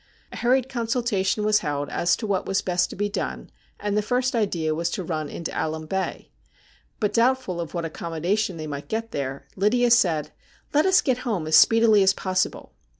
A hurried consultation was held as to what was best to be done, and the first idea was to run into Alum Bay. But, doubtful of what accommodation they might get there, Lydia said: ' Let us get home as speedily as possible.'